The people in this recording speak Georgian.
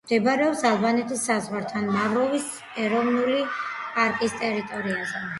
მდებარეობს ალბანეთის საზღვართან, მავროვოს ეროვნული პარკის ტერიტორიაზე.